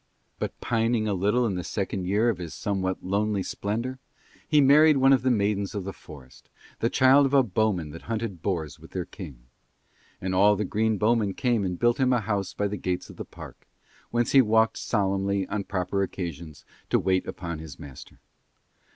But pining a little in the second year of his somewhat lonely splendour, he married one of the maidens of the forest, the child of a bowman that hunted boars with their king. And all the green bowmen came and built him a house by the gates of the park, whence he walked solemnly on proper occasions to wait upon his master.